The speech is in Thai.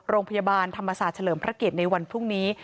โรงพยาบาลธรรมศาสตร์เฉลิมพระเกียรติในวันพรุ่งนี้